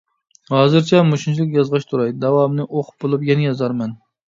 ھازىرچە مۇشۇنچىلىك يازغاچ تۇراي، داۋامىنى ئوقۇپ بولۇپ يەنە يازارمەن.